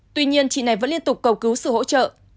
tuy nhiên chị này vẫn liên tục cầu cứu sự hỗ trợ